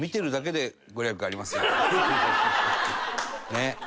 ねっ。